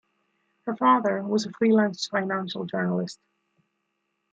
Her father was a freelance financial journalist.